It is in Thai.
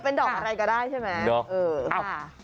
เป็นดอกอะไรก็ได้ใช่ไหม